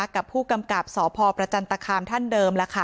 กับผู้กำกับสพประจันตคามท่านเดิมแล้วค่ะ